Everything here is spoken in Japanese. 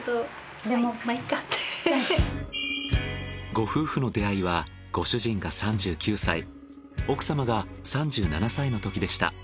ご夫婦の出会いはご主人が３９歳奥様が３７歳のときでした。